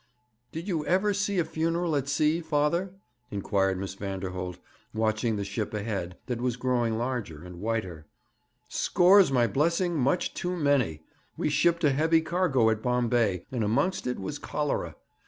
'Did you ever see a funeral at sea, father?' inquired Miss Vanderholt, watching the ship ahead, that was growing larger and whiter. 'Scores, my blessing; much too many. We shipped a heavy cargo at Bombay, and amongst it was cholera.